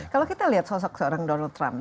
kalau kita lihat sosok seorang donald trump